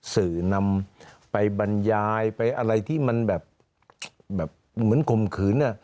สื่อนำไปบรรยายไปอะไรที่มันแบบเหมือนข่มขืน